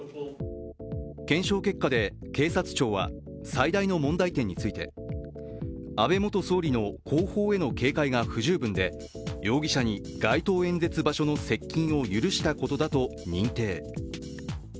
検証結果で警察庁は、最大の問題点について安倍元総理の後方への警戒が不十分で容疑者に街頭演説場所の接近を許したことだと認定。